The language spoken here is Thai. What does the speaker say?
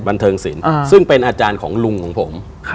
บันเทิงศิลป์ซึ่งเป็นอาจารย์ของลุงของผม